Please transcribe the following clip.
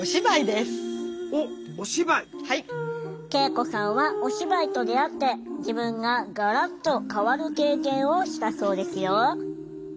圭永子さんはお芝居と出会って自分がガラッと変わる経験をしたそうですよ。